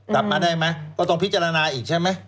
กลับมาได้ไหมก็ต้องพิจารณาอีกใช่ไหม